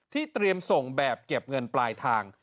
เตรียมส่งแบบเก็บเงินปลายทาง